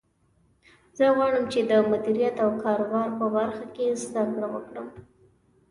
زه غواړم چې د مدیریت او کاروبار په برخه کې زده کړه وکړم